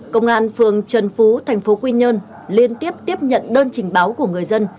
công an phường trần phú tp quy nhơn liên tiếp tiếp nhận đơn trình báo của người dân